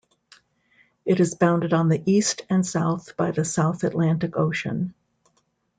It is bounded on the east and south by the South Atlantic Ocean.